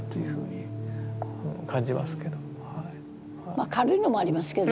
まあ軽いのもありますけどね。